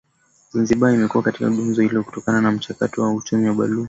Zanzibar imekuwa katika gumzo hilo kutokana na mchakato wa Uchumi wa Buluu